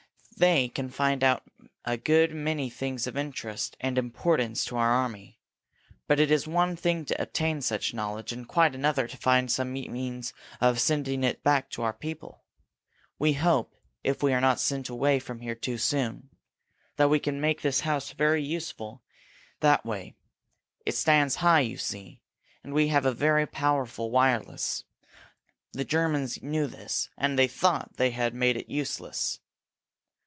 "They can find out a good many things of interest and importance to our army. But it is one thing to obtain such knowledge and quite another to find some means of sending it back to our people. We hope, if we are not sent away from here too soon, that we can make this house very useful that way. It stands high, you see, and we have a very powerful wireless. The Germans knew this and they thought they had made it useless."